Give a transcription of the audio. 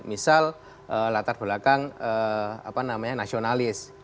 misal latar belakang nasionalis